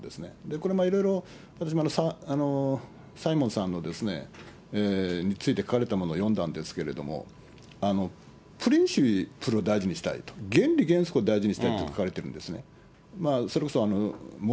これもいろいろサイモンさんについて書かれたものを読んだんですけれども、を大事にしたいと、原理原則を大事にしたいと書かれているんですね。